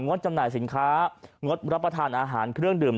ดจำหน่ายสินค้างดรับประทานอาหารเครื่องดื่ม